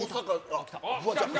あっ、フワちゃん。